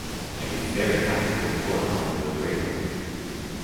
'I'd be very happy if they pull it off and do a great one'.